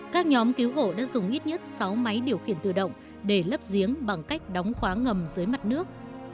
các nhóm cứu hộ đã dùng ít nhất sáu máy điều khiển tự động để lấp giếng bằng cách đóng khóa ngầm dưới mặt nước